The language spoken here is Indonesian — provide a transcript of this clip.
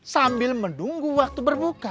sambil menunggu waktu berbuka